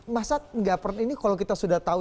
masa nggak pernah ini kalau kita sudah tahu